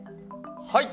はい！